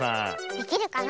できるかな。